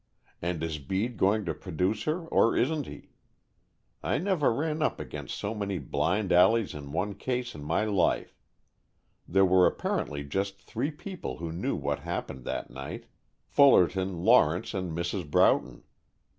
And is Bede going to produce her or isn't he? I never ran up against so many blind alleys in one case in my life. There were apparently just three people who knew what happened that night, Fullerton, Lawrence, and Mrs. Broughton.